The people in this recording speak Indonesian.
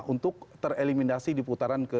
untuk tereliminasi di putaran ke